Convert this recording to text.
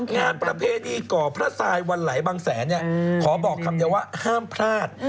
งานประเพณีก่อพระทรายวันไหลบางแสนขอบอกคำเดียวว่าห้ามพลาด